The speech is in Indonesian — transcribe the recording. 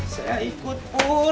saya ikut pur